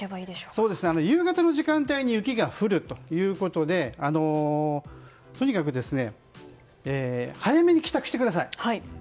夕方の時間帯に雪が降るということでとにかく早めに帰宅してください。